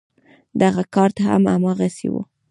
دغه کارت هم هماغسې و.